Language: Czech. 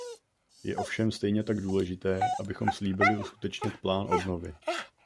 Je ovšem stejně tak důležité, abychom slíbili uskutečnit plán obnovy.